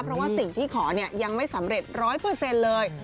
เพราะว่าสิ่งที่ขอเนี่ยยังไม่สำเร็จร้อยเปอร์เซ็นต์เลย